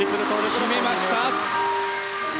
決めました！